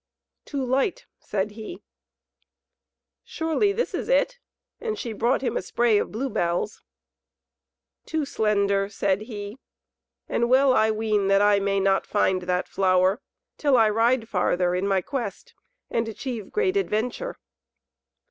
"Too light," said he. "Surely this is it," and she brought him a spray of blue bells. "Too slender," said he, "and well I ween that I may not find that flower, till I ride farther in my quest and achieve great adventure."